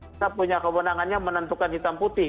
kita punya kewenangannya menentukan hitam putih